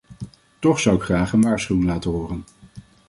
Toch zou ik graag een waarschuwing laten horen.